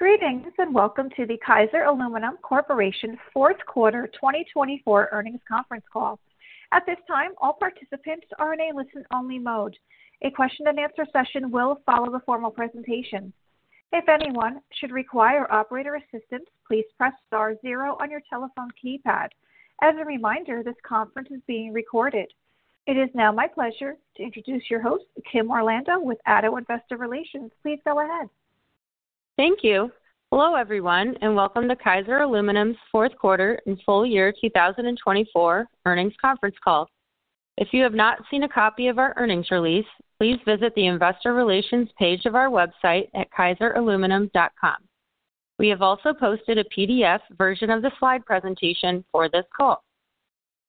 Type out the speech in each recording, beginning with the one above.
Greetings and welcome to the Kaiser Aluminum Corporation Fourth Quarter 2024 Earnings Conference Call. At this time, all participants are in a listen-only mode. A question-and-answer session will follow the formal presentation. If anyone should require operator assistance, please press star zero on your telephone keypad. As a reminder, this conference is being recorded. It is now my pleasure to introduce your host, Kim Orlando, with ADDO Investor Relations. Please go ahead. Thank you. Hello, everyone, and welcome to Kaiser Aluminum's Fourth Quarter and Full Year 2024 Earnings Conference Call. If you have not seen a copy of our earnings release, please visit the Investor Relations page of our website at kaiseraluminum.com. We have also posted a PDF version of the slide presentation for this call.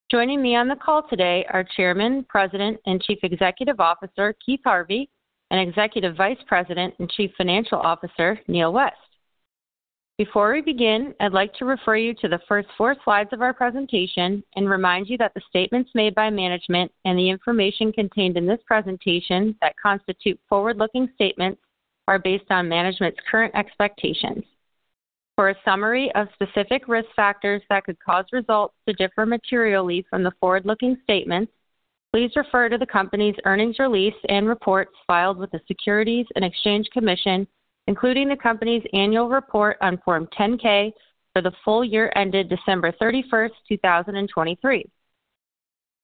Joining me on the call today are Chairman, President, and Chief Executive Officer Keith Harvey, and Executive Vice President and Chief Financial Officer Neal West. Before we begin, I'd like to refer you to the first four slides of our presentation and remind you that the statements made by management and the information contained in this presentation that constitute forward-looking statements are based on management's current expectations. For a summary of specific risk factors that could cause results to differ materially from the forward-looking statements, please refer to the company's earnings release and reports filed with the Securities and Exchange Commission, including the company's annual report on Form 10-K for the full year ended December 31st, 2023.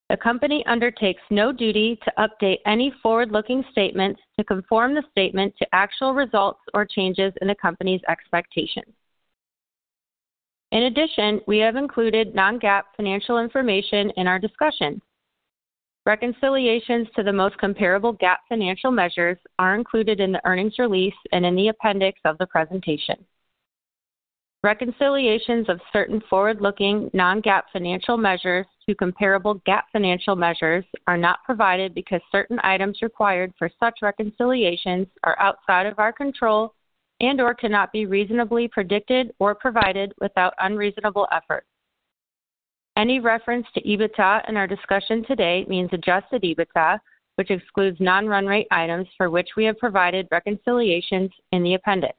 The company undertakes no duty to update any forward-looking statements to conform the statement to actual results or changes in the company's expectations. In addition, we have included non-GAAP financial information in our discussion. Reconciliations to the most comparable GAAP financial measures are included in the earnings release and in the appendix of the presentation. Reconciliations of certain forward-looking non-GAAP financial measures to comparable GAAP financial measures are not provided because certain items required for such reconciliations are outside of our control and/or cannot be reasonably predicted or provided without unreasonable effort. Any reference to EBITDA in our discussion today means adjusted EBITDA, which excludes non-run-rate items for which we have provided reconciliations in the appendix.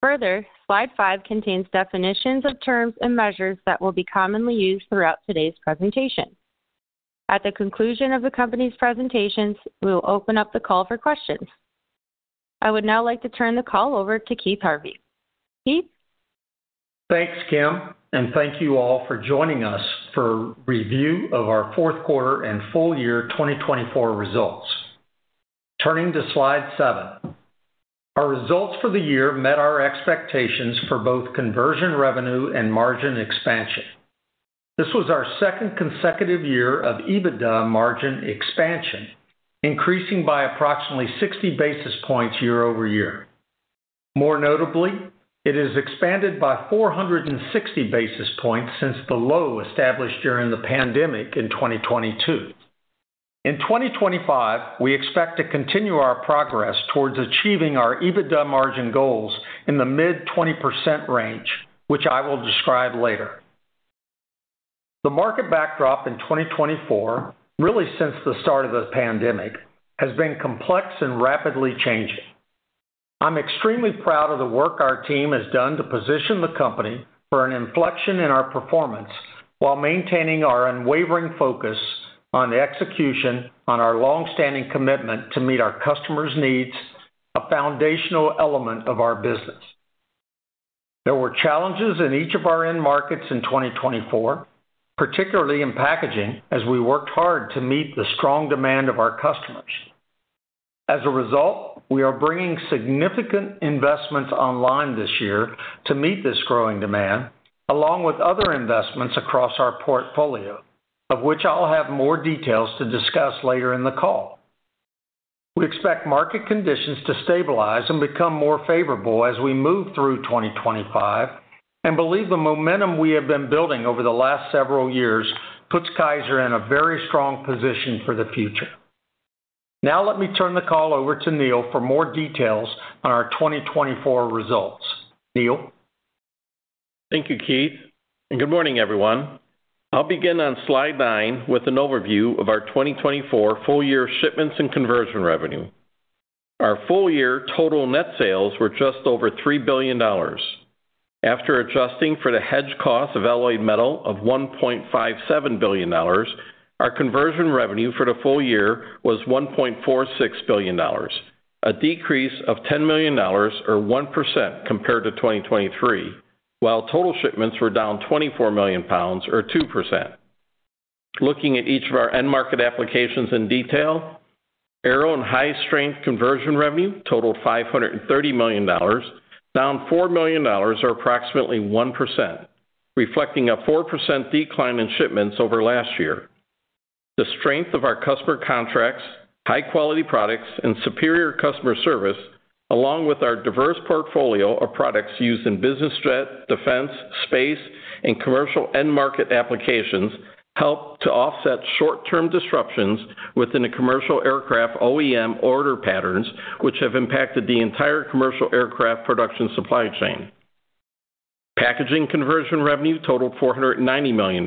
Further, slide five contains definitions of terms and measures that will be commonly used throughout today's presentation. At the conclusion of the company's presentations, we will open up the call for questions. I would now like to turn the call over to Keith Harvey. Keith. Thanks, Kim, and thank you all for joining us for review of our fourth quarter and full year 2024 results. Turning to slide seven, our results for the year met our expectations for both conversion revenue and margin expansion. This was our second consecutive year of EBITDA margin expansion, increasing by approximately 60 basis points year-over-year. More notably, it has expanded by 460 basis points since the low established during the pandemic in 2022. In 2025, we expect to continue our progress towards achieving our EBITDA margin goals in the mid-20% range, which I will describe later. The market backdrop in 2024, really since the start of the pandemic, has been complex and rapidly changing. I'm extremely proud of the work our team has done to position the company for an inflection in our performance while maintaining our unwavering focus on the execution on our long-standing commitment to meet our customers' needs, a foundational element of our business. There were challenges in each of our end markets in 2024, particularly in packaging, as we worked hard to meet the strong demand of our customers. As a result, we are bringing significant investments online this year to meet this growing demand, along with other investments across our portfolio, of which I'll have more details to discuss later in the call. We expect market conditions to stabilize and become more favorable as we move through 2025, and believe the momentum we have been building over the last several years puts Kaiser in a very strong position for the future. Now, let me turn the call over to Neal for more details on our 2024 results. Neal. Thank you, Keith. And good morning, everyone. I'll begin on slide nine with an overview of our 2024 full year shipments and conversion revenue. Our full year total net sales were just over $3 billion. After adjusting for the hedged cost of alloyed metal of $1.57 billion, our conversion revenue for the full year was $1.46 billion, a decrease of $10 million or 1% compared to 2023, while total shipments were down 24 million lbs or 2%. Looking at each of our end market applications in detail, aerospace and high-strength conversion revenue totaled $530 million, down $4 million or approximately 1%, reflecting a 4% decline in shipments over last year. The strength of our customer contracts, high-quality products, and superior customer service, along with our diverse portfolio of products used in business jet, defense, space, and commercial end market applications, helped to offset short-term disruptions within the commercial aircraft OEM order patterns, which have impacted the entire commercial aircraft production supply chain. Packaging conversion revenue totaled $490 million,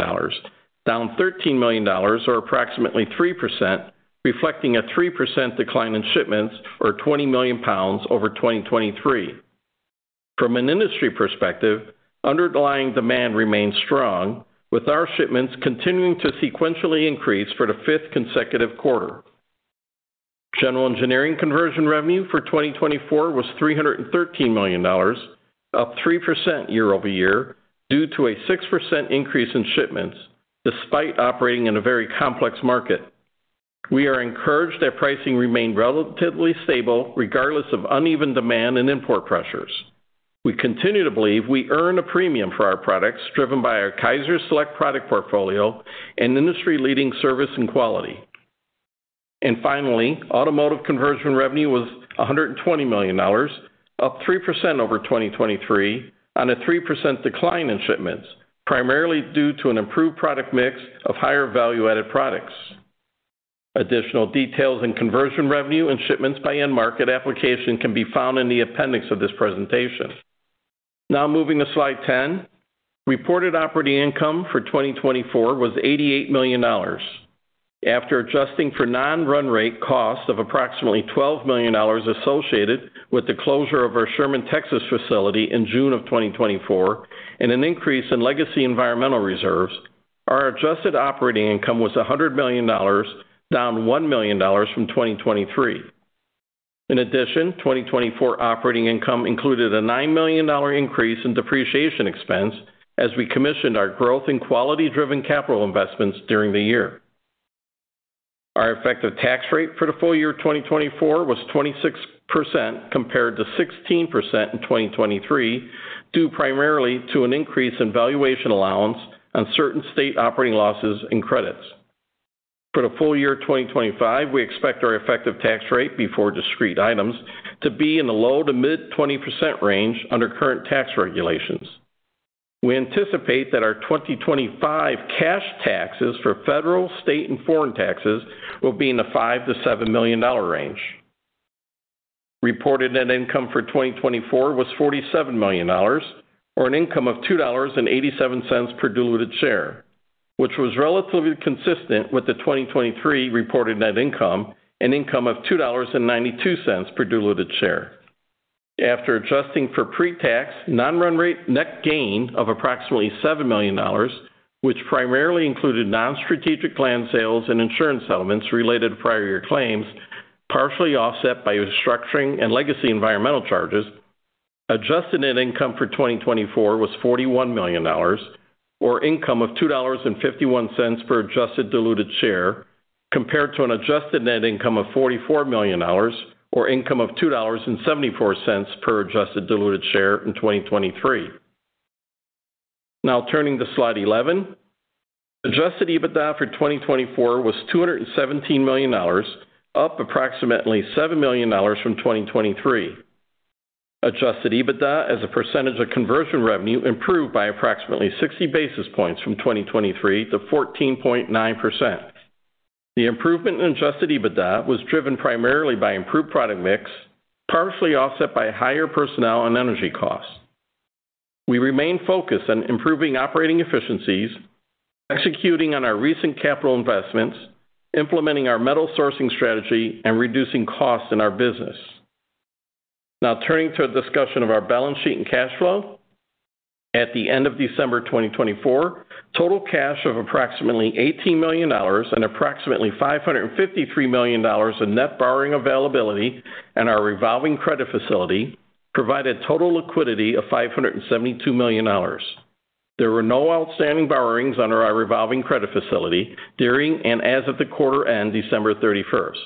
down $13 million or approximately 3%, reflecting a 3% decline in shipments or 20 million lbs over 2023. From an industry perspective, underlying demand remains strong, with our shipments continuing to sequentially increase for the fifth consecutive quarter. General engineering conversion revenue for 2024 was $313 million, up 3% year-over-year due to a 6% increase in shipments, despite operating in a very complex market. We are encouraged that pricing remained relatively stable regardless of uneven demand and import pressures. We continue to believe we earn a premium for our products driven by our Kaiser Select product portfolio and industry-leading service and quality. And finally, automotive conversion revenue was $120 million, up 3% over 2023, on a 3% decline in shipments, primarily due to an improved product mix of higher value-added products. Additional details in conversion revenue and shipments by end market application can be found in the appendix of this presentation. Now moving to slide 10, reported operating income for 2024 was $88 million. After adjusting for non-run rate cost of approximately $12 million associated with the closure of our Sherman, Texas facility in June of 2024, and an increase in legacy environmental reserves, our adjusted operating income was $100 million, down $1 million from 2023. In addition, 2024 operating income included a $9 million increase in depreciation expense as we commissioned our growth and quality-driven capital investments during the year. Our effective tax rate for the full year 2024 was 26% compared to 16% in 2023, due primarily to an increase in valuation allowance on certain state operating losses and credits. For the full year 2025, we expect our effective tax rate before discrete items to be in the low to mid-20% range under current tax regulations. We anticipate that our 2025 cash taxes for federal, state, and foreign taxes will be in the $5 million-$7 million range. Reported net income for 2024 was $47 million, or an income of $2.87 per diluted share, which was relatively consistent with the 2023 reported net income, an income of $2.92 per diluted share. After adjusting for pre-tax, non-run-rate net gain of approximately $7 million, which primarily included non-strategic land sales and insurance settlements related to prior year claims, partially offset by restructuring and legacy environmental charges, adjusted net income for 2024 was $41 million, or income of $2.51 per adjusted diluted share, compared to an adjusted net income of $44 million, or income of $2.74 per adjusted diluted share in 2023. Now turning to slide 11, adjusted EBITDA for 2024 was $217 million, up approximately $7 million from 2023. Adjusted EBITDA as a percentage of conversion revenue improved by approximately 60 basis points from 2023 to 14.9%. The improvement in adjusted EBITDA was driven primarily by improved product mix, partially offset by higher personnel and energy costs. We remain focused on improving operating efficiencies, executing on our recent capital investments, implementing our metal sourcing strategy, and reducing costs in our business. Now turning to a discussion of our balance sheet and cash flow. At the end of December 2024, total cash of approximately $18 million and approximately $553 million in net borrowing availability at our revolving credit facility provided total liquidity of $572 million. There were no outstanding borrowings under our revolving credit facility during and as of the quarter end, December 31st.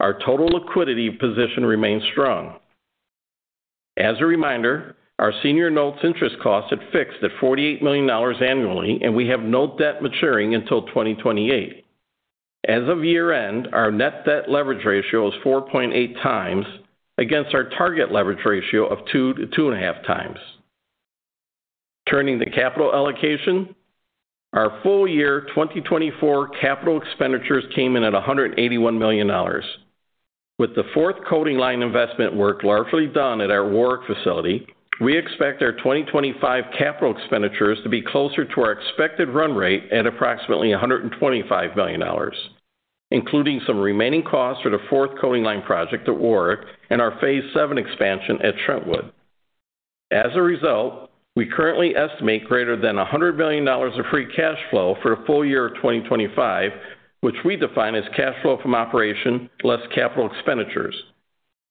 Our total liquidity position remains strong. As a reminder, our senior notes interest costs are fixed at $48 million annually, and we have no debt maturing until 2028. As of year end, our net debt leverage ratio is 4.8x against our target leverage ratio of 2x-2.5x. Turning to capital allocation, our full year 2024 capital expenditures came in at $181 million. With the fourth coating line investment work largely done at our Warwick facility, we expect our 2025 capital expenditures to be closer to our expected run rate at approximately $125 million, including some remaining costs for the fourth coating line project at Warwick and our phase VII expansion at Trentwood. As a result, we currently estimate greater than $100 million of free cash flow for the full year of 2025, which we define as cash flow from operations less capital expenditures,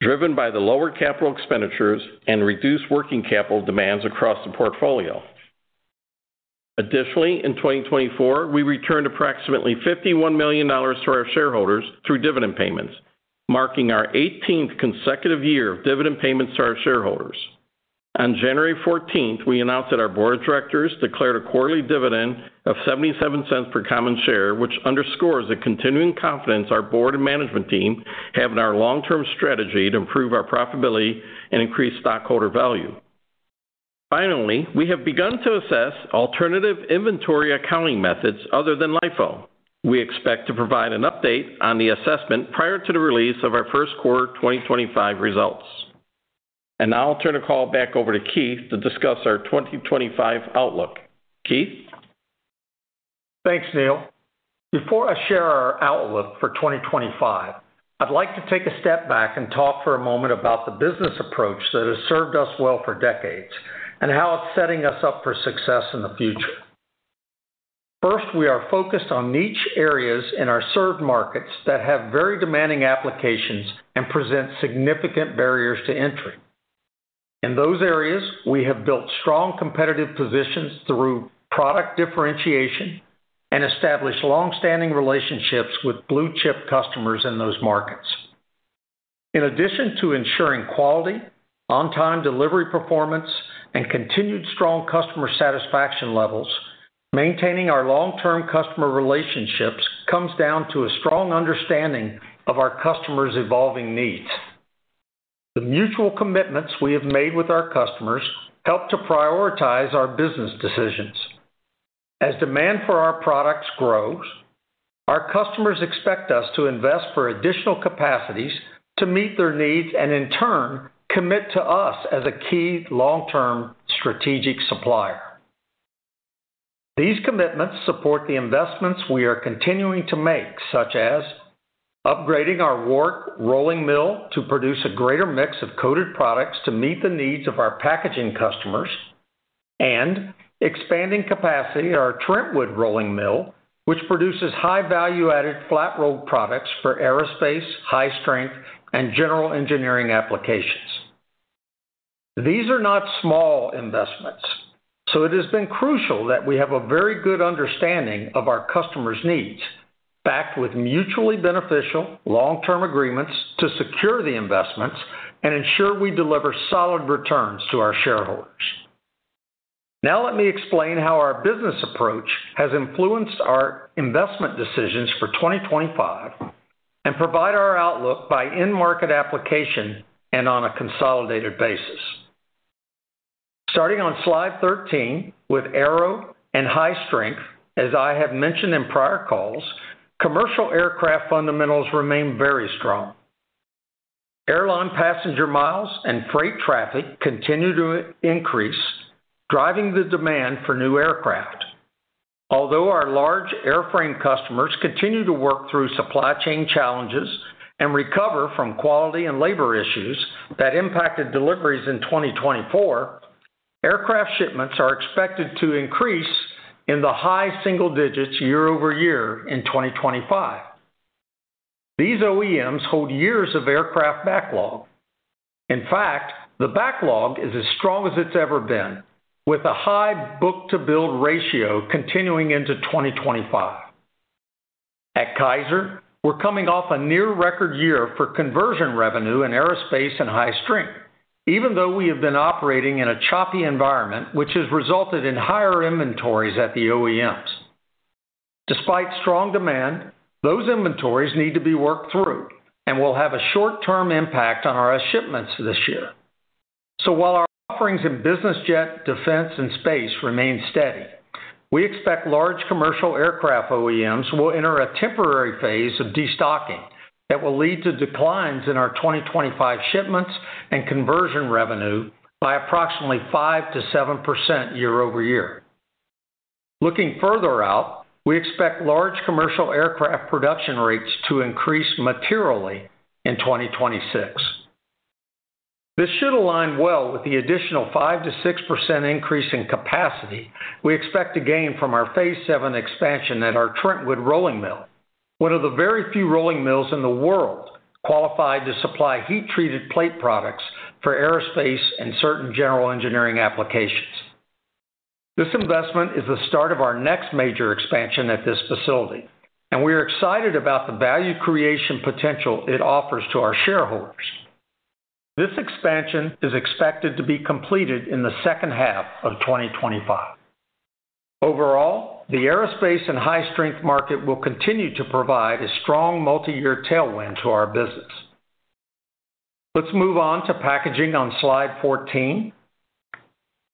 driven by the lower capital expenditures and reduced working capital demands across the portfolio. Additionally, in 2024, we returned approximately $51 million to our shareholders through dividend payments, marking our 18th consecutive year of dividend payments to our shareholders. On January 14th, we announced that our board of directors declared a quarterly dividend of $0.77 per common share, which underscores the continuing confidence our board and management team have in our long-term strategy to improve our profitability and increase stockholder value. Finally, we have begun to assess alternative inventory accounting methods other than LIFO. We expect to provide an update on the assessment prior to the release of our first quarter 2025 results. And now I'll turn the call back over to Keith to discuss our 2025 outlook. Keith. Thanks, Neal. Before I share our outlook for 2025, I'd like to take a step back and talk for a moment about the business approach that has served us well for decades and how it's setting us up for success in the future. First, we are focused on niche areas in our served markets that have very demanding applications and present significant barriers to entry. In those areas, we have built strong competitive positions through product differentiation and established long-standing relationships with blue chip customers in those markets. In addition to ensuring quality, on-time delivery performance, and continued strong customer satisfaction levels, maintaining our long-term customer relationships comes down to a strong understanding of our customers' evolving needs. The mutual commitments we have made with our customers help to prioritize our business decisions. As demand for our products grows, our customers expect us to invest for additional capacities to meet their needs and, in turn, commit to us as a key long-term strategic supplier. These commitments support the investments we are continuing to make, such as upgrading our Warwick rolling mill to produce a greater mix of coated products to meet the needs of our packaging customers and expanding capacity at our Trentwood rolling mill, which produces high-value-added flat roll products for aerospace, high-strength, and general engineering applications. These are not small investments, so it has been crucial that we have a very good understanding of our customers' needs, backed with mutually beneficial long-term agreements to secure the investments and ensure we deliver solid returns to our shareholders. Now let me explain how our business approach has influenced our investment decisions for 2025 and provide our outlook by end market application and on a consolidated basis. Starting on slide 13, with aero and high-strength, as I have mentioned in prior calls, commercial aircraft fundamentals remain very strong. Airline passenger miles and freight traffic continue to increase, driving the demand for new aircraft. Although our large airframe customers continue to work through supply chain challenges and recover from quality and labor issues that impacted deliveries in 2024, aircraft shipments are expected to increase in the high single digits year-over-year in 2025. These OEMs hold years of aircraft backlog. In fact, the backlog is as strong as it's ever been, with a high book-to-build ratio continuing into 2025. At Kaiser, we're coming off a near-record year for conversion revenue in aerospace and high-strength, even though we have been operating in a choppy environment, which has resulted in higher inventories at the OEMs. Despite strong demand, those inventories need to be worked through and will have a short-term impact on our shipments this year. So while our offerings in business jet, defense, and space remain steady, we expect large commercial aircraft OEMs will enter a temporary phase of destocking that will lead to declines in our 2025 shipments and conversion revenue by approximately 5%-7% year-over-year. Looking further out, we expect large commercial aircraft production rates to increase materially in 2026. This should align well with the additional 5%-6% increase in capacity we expect to gain from our phase VII expansion at our Trentwood rolling mill, one of the very few rolling mills in the world qualified to supply heat-treated plate products for aerospace and certain general engineering applications. This investment is the start of our next major expansion at this facility, and we are excited about the value creation potential it offers to our shareholders. This expansion is expected to be completed in the second half of 2025. Overall, the aerospace and high-strength market will continue to provide a strong multi-year tailwind to our business. Let's move on to packaging on slide 14.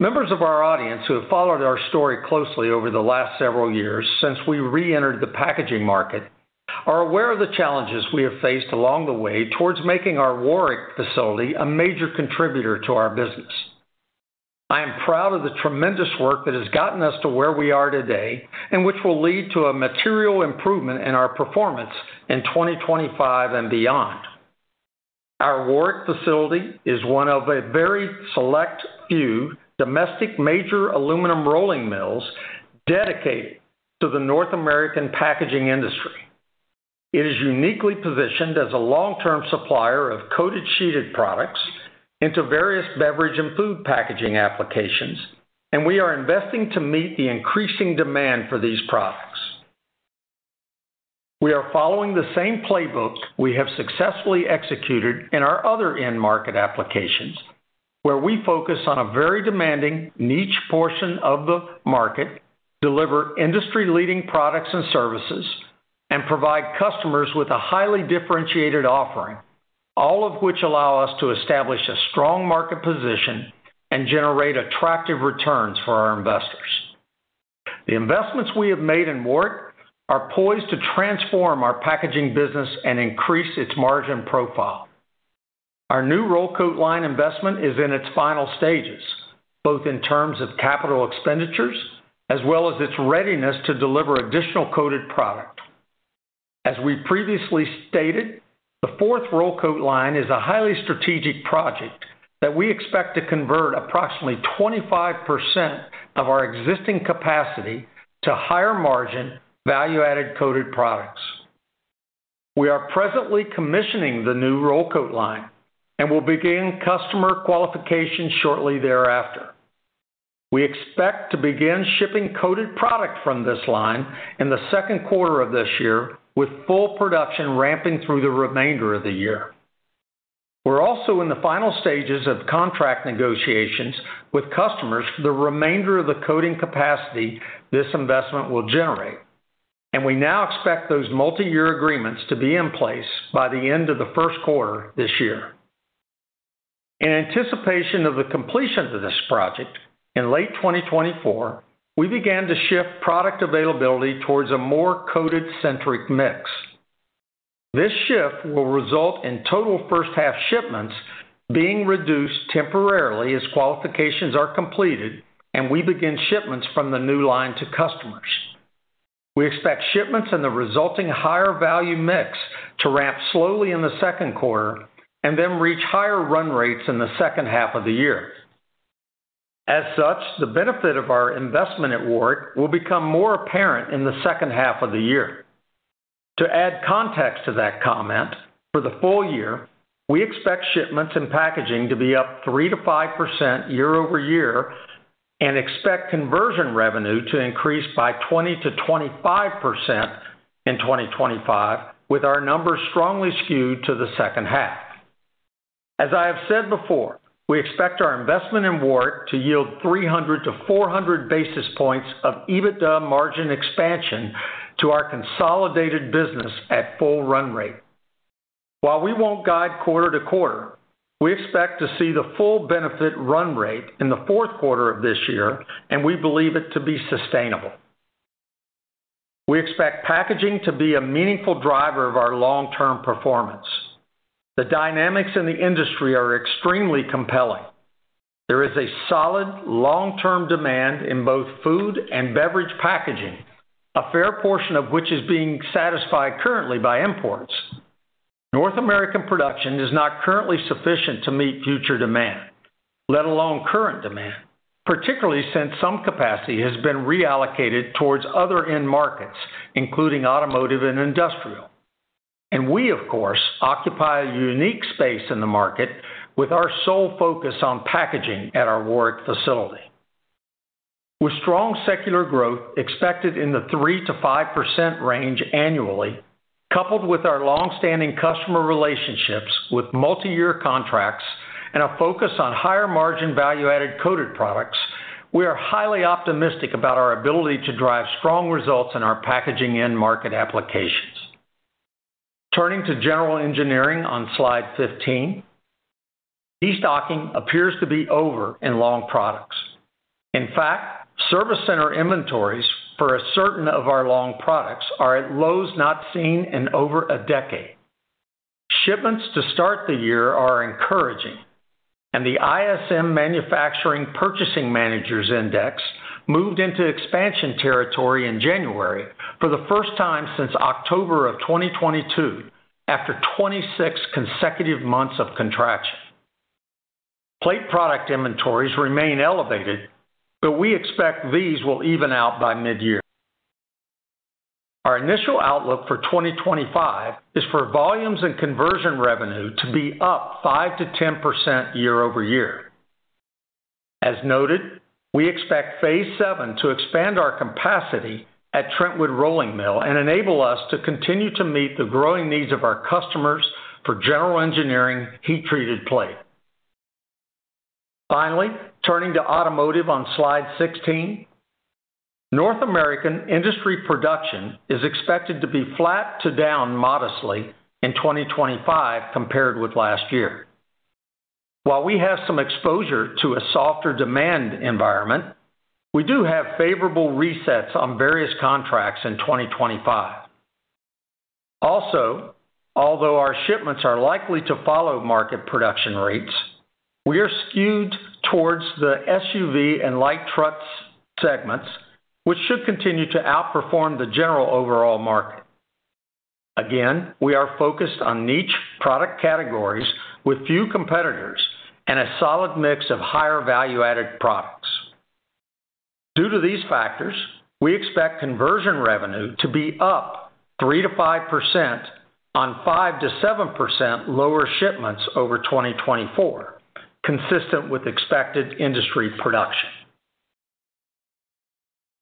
Members of our audience who have followed our story closely over the last several years since we re-entered the packaging market are aware of the challenges we have faced along the way towards making our Warwick facility a major contributor to our business. I am proud of the tremendous work that has gotten us to where we are today and which will lead to a material improvement in our performance in 2025 and beyond. Our Warwick facility is one of a very select few domestic major aluminum rolling mills dedicated to the North American packaging industry. It is uniquely positioned as a long-term supplier of coated sheet products into various beverage and food packaging applications, and we are investing to meet the increasing demand for these products. We are following the same playbook we have successfully executed in our other end market applications, where we focus on a very demanding niche portion of the market, deliver industry-leading products and services, and provide customers with a highly differentiated offering, all of which allow us to establish a strong market position and generate attractive returns for our investors. The investments we have made in Warwick are poised to transform our packaging business and increase its margin profile. Our new roll coat line investment is in its final stages, both in terms of capital expenditures as well as its readiness to deliver additional coated product. As we previously stated, the fourth roll coat line is a highly strategic project that we expect to convert approximately 25% of our existing capacity to higher margin value-added coated products. We are presently commissioning the new roll coat line and will begin customer qualification shortly thereafter. We expect to begin shipping coated product from this line in the second quarter of this year, with full production ramping through the remainder of the year. We're also in the final stages of contract negotiations with customers for the remainder of the coating capacity this investment will generate, and we now expect those multi-year agreements to be in place by the end of the first quarter this year. In anticipation of the completion of this project in late 2024, we began to shift product availability towards a more coated-centric mix. This shift will result in total first-half shipments being reduced temporarily as qualifications are completed and we begin shipments from the new line to customers. We expect shipments in the resulting higher value mix to ramp slowly in the second quarter and then reach higher run rates in the second half of the year. As such, the benefit of our investment at Warwick will become more apparent in the second half of the year. To add context to that comment, for the full year, we expect shipments and packaging to be up 3%-5% year-over-year and expect conversion revenue to increase by 20%-25% in 2025, with our numbers strongly skewed to the second half. As I have said before, we expect our investment in Warwick to yield 300-400 basis points of EBITDA margin expansion to our consolidated business at full run rate. While we won't guide quarter to quarter, we expect to see the full benefit run rate in the fourth quarter of this year, and we believe it to be sustainable. We expect packaging to be a meaningful driver of our long-term performance. The dynamics in the industry are extremely compelling. There is a solid long-term demand in both food and beverage packaging, a fair portion of which is being satisfied currently by imports. North American production is not currently sufficient to meet future demand, let alone current demand, particularly since some capacity has been reallocated towards other end markets, including automotive and industrial, and we, of course, occupy a unique space in the market with our sole focus on packaging at our Warwick facility. With strong secular growth expected in the 3%-5% range annually, coupled with our long-standing customer relationships with multi-year contracts and a focus on higher margin value-added coated products, we are highly optimistic about our ability to drive strong results in our packaging end market applications. Turning to general engineering on slide 15, destocking appears to be over in long products. In fact, service center inventories for a certain of our long products are at lows not seen in over a decade. Shipments to start the year are encouraging, and the ISM Manufacturing Purchasing Managers Index moved into expansion territory in January for the first time since October of 2022, after 26 consecutive months of contraction. Plate product inventories remain elevated, but we expect these will even out by mid-year. Our initial outlook for 2025 is for volumes and conversion revenue to be up 5%-10% year-over-year. As noted, we expect phase VII to expand our capacity at Trentwood rolling mill and enable us to continue to meet the growing needs of our customers for general engineering heat-treated plate. Finally, turning to automotive on slide 16, North American industry production is expected to be flat to down modestly in 2025 compared with last year. While we have some exposure to a softer demand environment, we do have favorable resets on various contracts in 2025. Also, although our shipments are likely to follow market production rates, we are skewed towards the SUV and light trucks segments, which should continue to outperform the general overall market. Again, we are focused on niche product categories with few competitors and a solid mix of higher value-added products. Due to these factors, we expect conversion revenue to be up 3%-5% on 5%-7% lower shipments over 2024, consistent with expected industry production.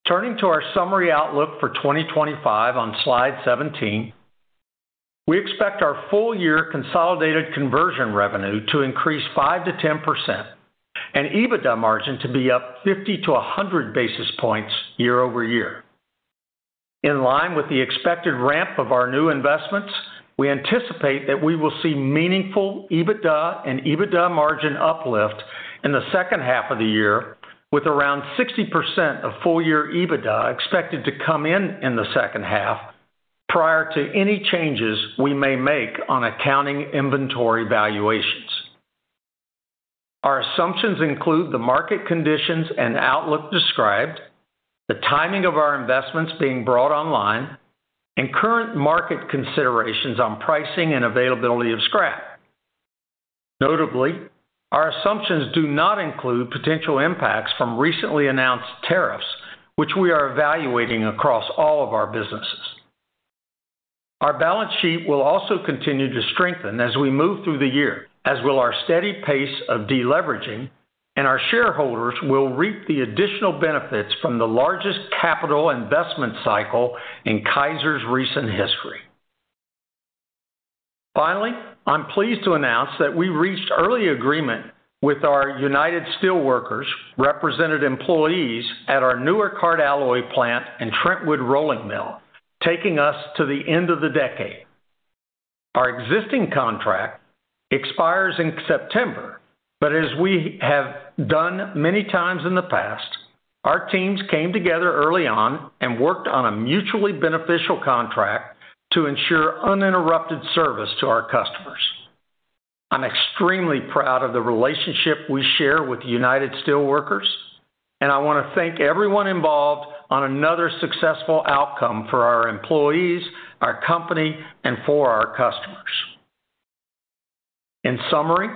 Turning to our summary outlook for 2025 on slide 17, we expect our full-year consolidated conversion revenue to increase 5%-10% and EBITDA margin to be up 50-100 basis points year-over-year. In line with the expected ramp of our new investments, we anticipate that we will see meaningful EBITDA and EBITDA margin uplift in the second half of the year, with around 60% of full-year EBITDA expected to come in in the second half prior to any changes we may make on accounting inventory valuations. Our assumptions include the market conditions and outlook described, the timing of our investments being brought online, and current market considerations on pricing and availability of scrap. Notably, our assumptions do not include potential impacts from recently announced tariffs, which we are evaluating across all of our businesses. Our balance sheet will also continue to strengthen as we move through the year, as will our steady pace of deleveraging, and our shareholders will reap the additional benefits from the largest capital investment cycle in Kaiser's recent history. Finally, I'm pleased to announce that we reached early agreement with our United Steelworkers represented employees at our Newark hard alloy plant and Trentwood rolling mill, taking us to the end of the decade. Our existing contract expires in September, but as we have done many times in the past, our teams came together early on and worked on a mutually beneficial contract to ensure uninterrupted service to our customers. I'm extremely proud of the relationship we share with United Steelworkers, and I want to thank everyone involved on another successful outcome for our employees, our company, and for our customers. In summary,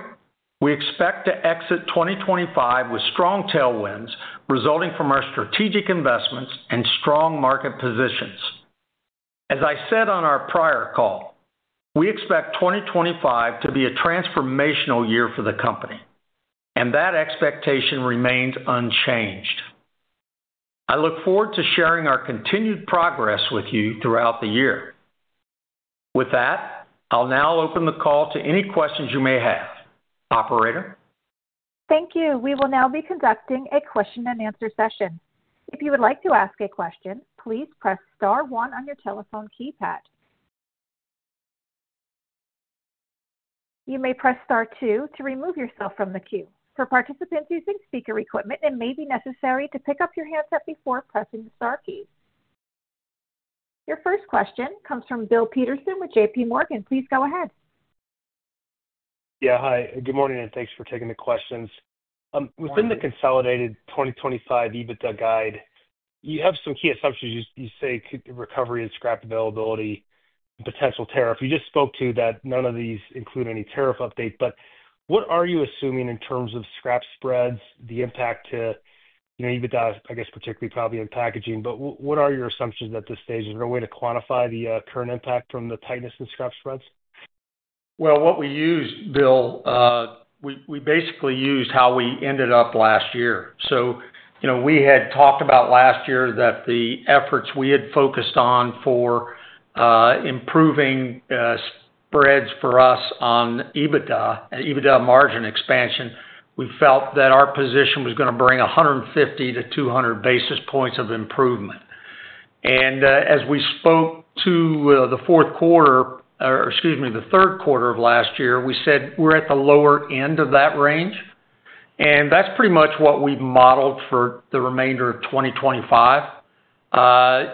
we expect to exit 2025 with strong tailwinds resulting from our strategic investments and strong market positions. As I said on our prior call, we expect 2025 to be a transformational year for the company, and that expectation remains unchanged. I look forward to sharing our continued progress with you throughout the year. With that, I'll now open the call to any questions you may have. Operator. Thank you. We will now be conducting a question-and-answer session. If you would like to ask a question, please press star one on your telephone keypad. You may press star two to remove yourself from the queue. For participants using speaker equipment, it may be necessary to pick up your handset before pressing the star key. Your first question comes from Bill Peterson with JPMorgan. Please go ahead. Yeah. Hi. Good morning and thanks for taking the questions. Within the consolidated 2025 EBITDA guide, you have some key assumptions. You say recovery and scrap availability and potential tariff. You just spoke to that. None of these include any tariff update. But what are you assuming in terms of scrap spreads, the impact to EBITDA, I guess, particularly probably in packaging? But what are your assumptions at this stage? Is there a way to quantify the current impact from the tightness in scrap spreads? Well, what we used, Bill, we basically used how we ended up last year. So we had talked about last year that the efforts we had focused on for improving spreads for us on EBITDA and EBITDA margin expansion, we felt that our position was going to bring 150-200 basis points of improvement. And as we spoke to the fourth quarter or, excuse me, the third quarter of last year, we said we're at the lower end of that range. And that's pretty much what we modeled for the remainder of 2025.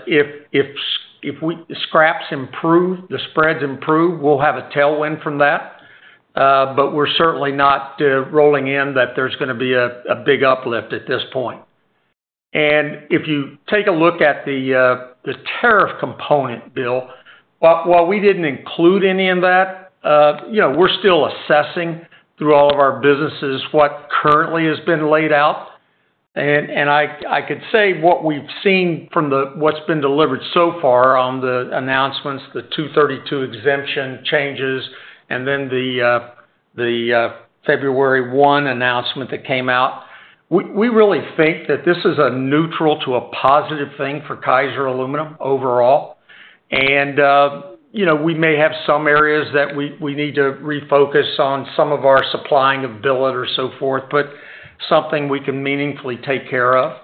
If scraps improve, the spreads improve, we'll have a tailwind from that. But we're certainly not rolling in that there's going to be a big uplift at this point. And if you take a look at the tariff component, Bill, while we didn't include any of that, we're still assessing through all of our businesses what currently has been laid out. I could say what we've seen from what's been delivered so far on the announcements, the 232 exemption changes, and then the February 1 announcement that came out. We really think that this is a neutral to a positive thing for Kaiser Aluminum overall. We may have some areas that we need to refocus on some of our supplying of billet or so forth, but something we can meaningfully take care of.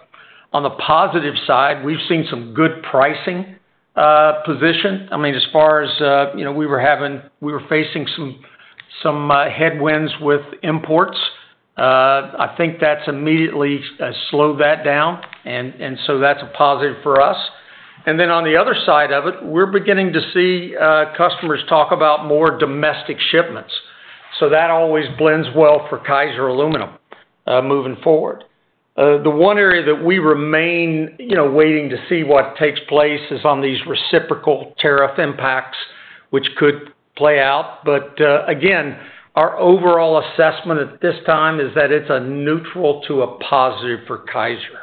On the positive side, we've seen some good pricing position. I mean, as far as we were having, we were facing some headwinds with imports. I think that's immediately slowed that down, and so that's a positive for us. On the other side of it, we're beginning to see customers talk about more domestic shipments. That always blends well for Kaiser Aluminum moving forward. The one area that we remain waiting to see what takes place is on these reciprocal tariff impacts, which could play out. But again, our overall assessment at this time is that it's a neutral to a positive for Kaiser.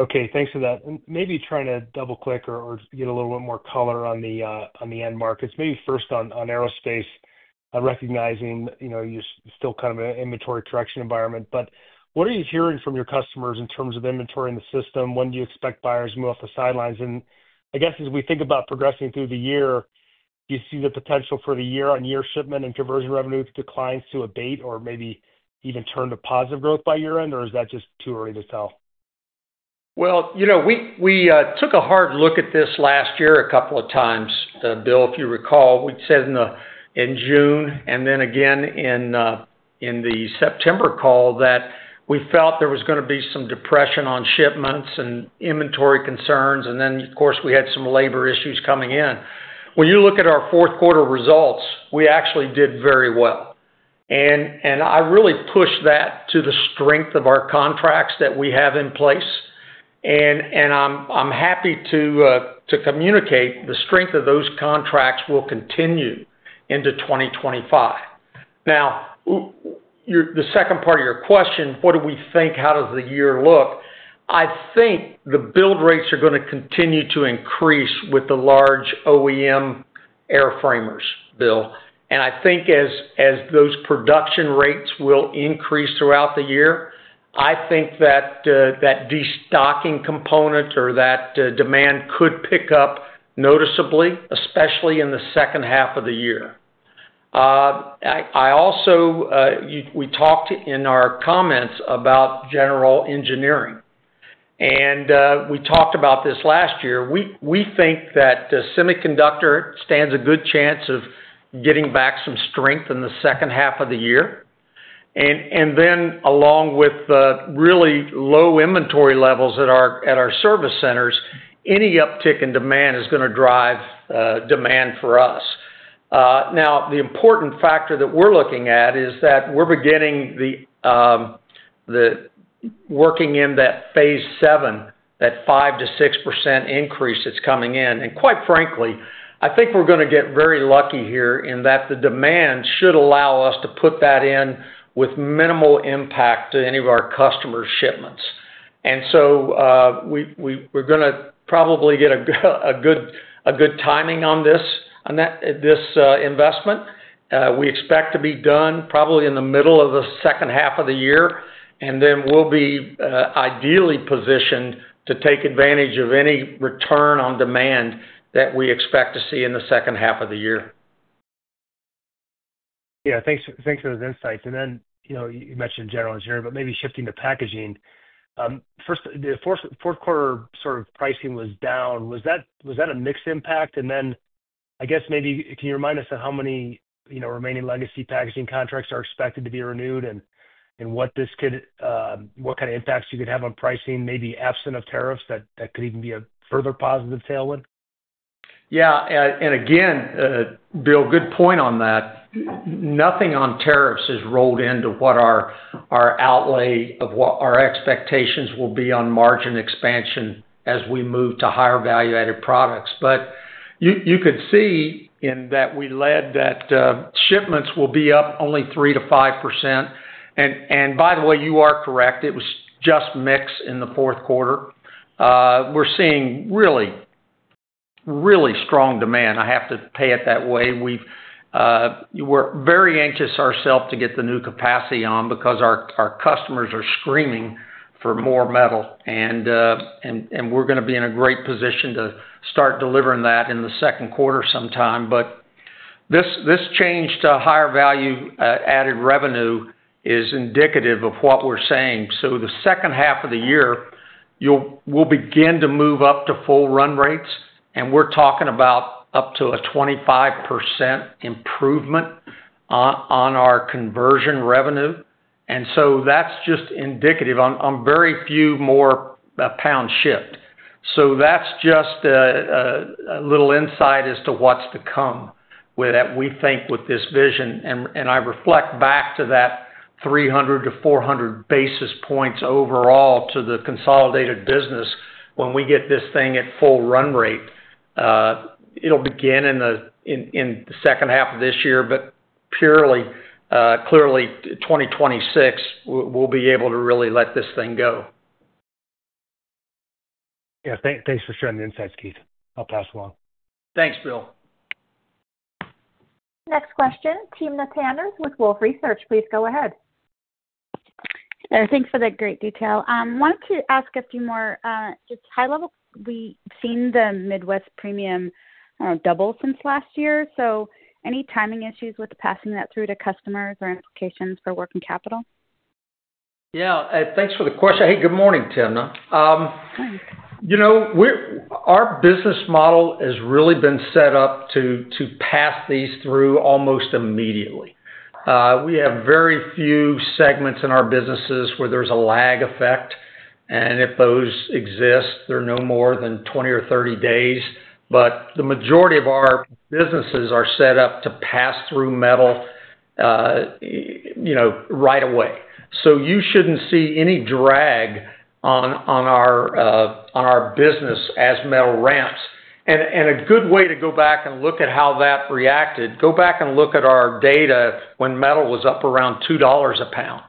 Okay. Thanks for that. And maybe trying to double-click or get a little bit more color on the end markets. Maybe first on aerospace, recognizing you're still kind of an inventory correction environment. But what are you hearing from your customers in terms of inventory in the system? When do you expect buyers to move off the sidelines? And I guess as we think about progressing through the year, do you see the potential for the year-on-year shipment and conversion revenue declines to abate or maybe even turn to positive growth by year-end, or is that just too early to tell? We took a hard look at this last year a couple of times, Bill, if you recall. We'd said in June and then again in the September call that we felt there was going to be some depression on shipments and inventory concerns. Then, of course, we had some labor issues coming in. When you look at our fourth quarter results, we actually did very well. I really pushed that to the strength of our contracts that we have in place. I'm happy to communicate the strength of those contracts will continue into 2025. Now, the second part of your question, what do we think? How does the year look? I think the build rates are going to continue to increase with the large OEM airframers, Bill. I think as those production rates will increase throughout the year, I think that that destocking component or that demand could pick up noticeably, especially in the second half of the year. We talked in our comments about general engineering, and we talked about this last year. We think that the semiconductor stands a good chance of getting back some strength in the second half of the year. And then, along with the really low inventory levels at our service centers, any uptick in demand is going to drive demand for us. Now, the important factor that we're looking at is that we're beginning working in that phase VII, that 5%-6% increase that's coming in. And quite frankly, I think we're going to get very lucky here in that the demand should allow us to put that in with minimal impact to any of our customers' shipments. And so we're going to probably get a good timing on this investment. We expect to be done probably in the middle of the second half of the year, and then we'll be ideally positioned to take advantage of any return on demand that we expect to see in the second half of the year. Yeah. Thanks for those insights. And then you mentioned general engineering, but maybe shifting to packaging. First, the fourth quarter sort of pricing was down. Was that a mixed impact? And then I guess maybe can you remind us of how many remaining legacy packaging contracts are expected to be renewed and what kind of impacts you could have on pricing, maybe absent of tariffs, that could even be a further positive tailwind? Yeah. And again, Bill, good point on that. Nothing on tariffs has rolled into what our outlook of what our expectations will be on margin expansion as we move to higher value-added products, but you could see in that we said that shipments will be up only 3%-5%. And by the way, you are correct. It was just mixed in the fourth quarter. We're seeing really, really strong demand. I have to say it that way. We're very anxious ourselves to get the new capacity on because our customers are screaming for more metal. And we're going to be in a great position to start delivering that in the second quarter sometime. But this change to higher value-added revenue is indicative of what we're saying. So the second half of the year, we'll begin to move up to full run rates. And we're talking about up to a 25% improvement on our conversion revenue. And so that's just indicative on very few more pounds shipped. So that's just a little insight as to what's to come with that, we think, with this vision. And I reflect back to that 300-400 basis points overall to the consolidated business. When we get this thing at full run rate, it'll begin in the second half of this year. But clearly, 2026, we'll be able to really let this thing go. Yeah. Thanks for sharing the insights, Keith. I'll pass along. Thanks, Bill. Next question, Timna Tanners with Wolfe Research. Please go ahead. Thanks for that great detail. I wanted to ask a few more just high level. We've seen the Midwest premium double since last year. So any timing issues with passing that through to customers or implications for working capital? Yeah. Thanks for the question. Hey, good morning, Timna. Our business model has really been set up to pass these through almost immediately. We have very few segments in our businesses where there's a lag effect. And if those exist, they're no more than 20 or 30 days. But the majority of our businesses are set up to pass through metal right away. So you shouldn't see any drag on our business as metal ramps. And a good way to go back and look at how that reacted, go back and look at our data when metal was up around $2/lb.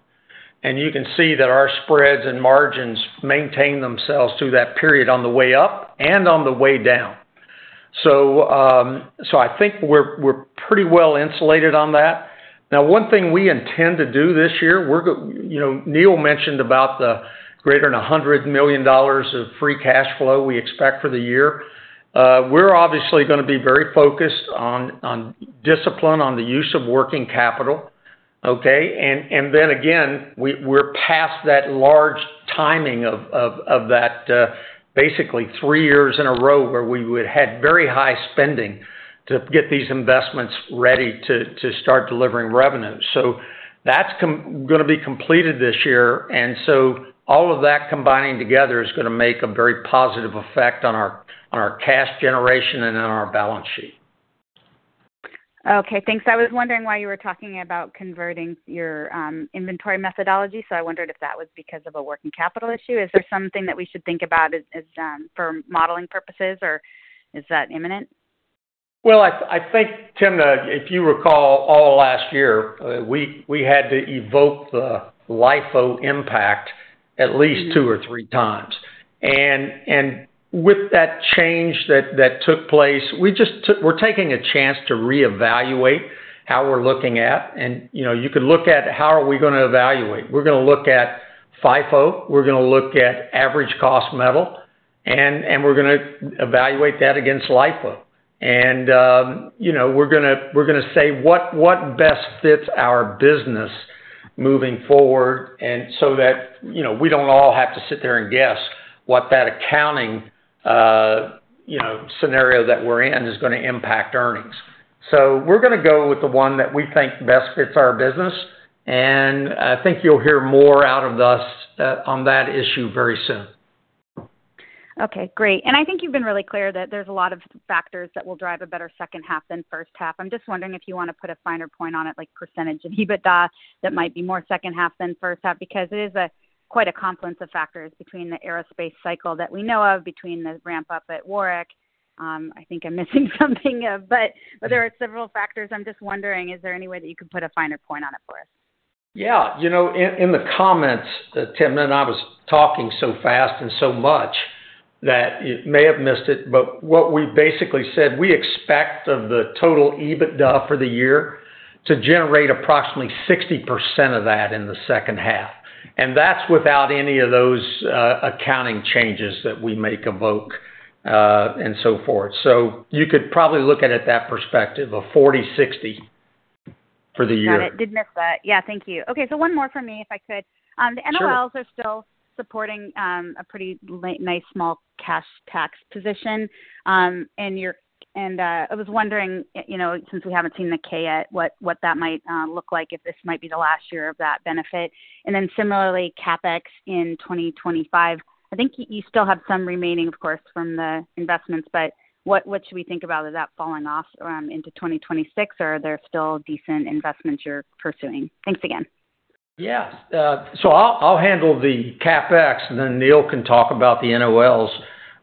And you can see that our spreads and margins maintained themselves through that period on the way up and on the way down. So I think we're pretty well insulated on that. Now, one thing we intend to do this year. Neal mentioned about the greater than $100 million of free cash flow we expect for the year. We're obviously going to be very focused on discipline on the use of working capital. Okay. And then again, we're past that large timing of that basically three years in a row where we had very high spending to get these investments ready to start delivering revenue. So that's going to be completed this year. And so all of that combining together is going to make a very positive effect on our cash generation and on our balance sheet. Okay. Thanks. I was wondering why you were talking about converting your inventory methodology. So I wondered if that was because of a working capital issue. Is there something that we should think about for modeling purposes, or is that imminent? I think, Timna, if you recall, all last year, we had to invoke the LIFO impact at least two or three times. With that change that took place, we're taking a chance to reevaluate how we're looking at. We're going to look at FIFO. We're going to look at average cost metal. We're going to evaluate that against LIFO. We're going to say what best fits our business moving forward so that we don't all have to sit there and guess what that accounting scenario that we're in is going to impact earnings. We're going to go with the one that we think best fits our business. I think you'll hear more out of us on that issue very soon. Okay. Great. and I think you've been really clear that there's a lot of factors that will drive a better second half than first half. I'm just wondering if you want to put a finer point on it, like percentage of EBITDA that might be more second half than first half, because it is quite a confluence of factors between the aerospace cycle that we know of, between the ramp-up at Warwick. I think I'm missing something. but there are several factors. I'm just wondering, is there any way that you could put a finer point on it for us? Yeah. In the comments, Timna, and I was talking so fast and so much that you may have missed it. but what we basically said, we expect of the total EBITDA for the year to generate approximately 60% of that in the second half. And that's without any of those accounting changes that we may invoke and so forth. So you could probably look at it that perspective of 40/60 for the year. Got it. I did miss that. Yeah. Thank you. Okay. So one more for me, if I could. The NOLs are still supporting a pretty nice small cash tax position. And I was wondering, since we haven't seen the K yet, what that might look like, if this might be the last year of that benefit. And then similarly, CapEx in 2025. I think you still have some remaining, of course, from the investments. But what should we think about that falling off into 2026, or are there still decent investments you're pursuing? Thanks again. Yeah. So I'll handle the CapEx, and then Neal can talk about the NOLs.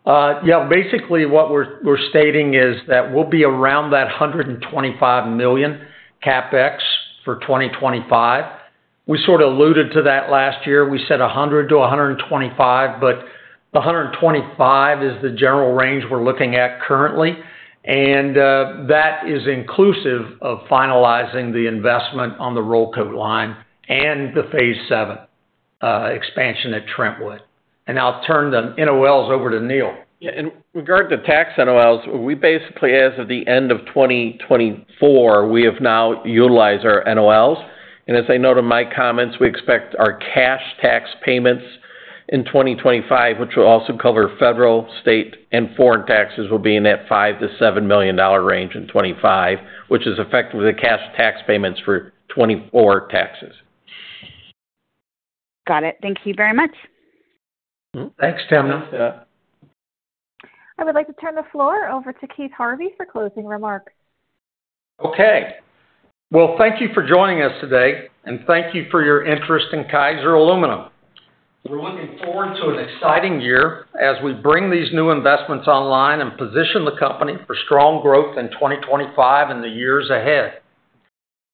Yeah. Basically, what we're stating is that we'll be around that $125 million CapEx for 2025. We sort of alluded to that last year. We said $100 million-$125 million, but $125 million is the general range we're looking at currently. That is inclusive of finalizing the investment on the roll coat line and the phase VII expansion at Trentwood. I'll turn the NOLs over to Neal. Yeah. In regard to tax NOLs, we basically, as of the end of 2024, we have now utilized our NOLs. As I noted in my comments, we expect our cash tax payments in 2025, which will also cover federal, state, and foreign taxes, will be in that $5 million-$7 million range in 2025, which is effectively the cash tax payments for 2024 taxes. Got it. Thank you very much. Thanks, Timna. I would like to turn the floor over to Keith Harvey for closing remarks. Okay. Well, thank you for joining us today and thank you for your interest in Kaiser Aluminum. We're looking forward to an exciting year as we bring these new investments online and position the company for strong growth in 2025 and the years ahead.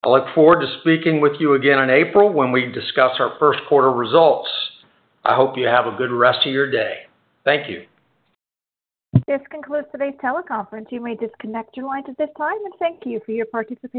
I look forward to speaking with you again in April when we discuss our first quarter results. I hope you have a good rest of your day. Thank you. This concludes today's teleconference. You may disconnect your lines at this time and thank you for your participation.